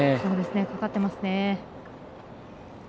かかってますね。